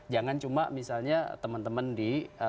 jangan cuma misalnya teman teman di